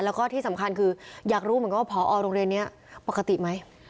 แล้วก็ที่สำคัญคืออยากรู้เหมือนกันว่าพอโรงเรียนนี้ปกติไหม